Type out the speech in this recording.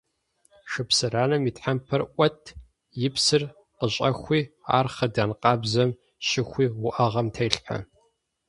Шыпсыранэм и тхьэмпэр Ӏуэт, и псыр къыщӀэхуи, ар хъыдан къабзэм щыхуи уӀэгъэм телъхьэ.